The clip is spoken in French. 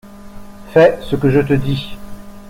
Fais ce que je te dis.